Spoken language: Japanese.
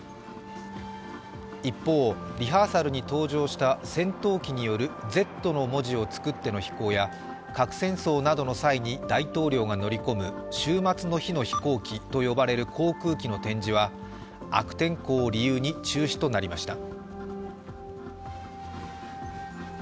一方、リハーサルに登場した戦闘機による「Ｚ」の文字を作っての飛行や核戦争などの際に大統領が乗り込む終末の日の飛行機と呼ばれる航空機の展示は悪天候を理由に中止となりました。